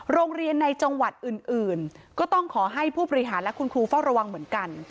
โรงเรียนในจังหวัดอื่นก็ต้องขอให้ผู้บริหารและคุณครูเฝ้าระวังเหมือนกัน